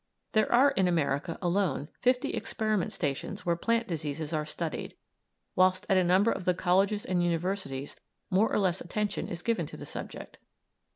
There are in America alone fifty experiment stations where plant diseases are studied, whilst at a number of the colleges and universities more or less attention is given to the subject.